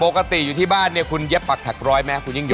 ปกติอยู่ที่บ้านคุณเย็บปากถักร้อยไหมคุณยิงโยง